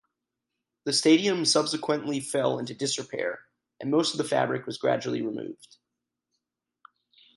The stadium subsequently fell into disrepair and most of the fabric was gradually removed.